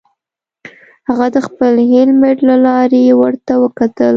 هغه د خپل هیلمټ له لارې ورته وکتل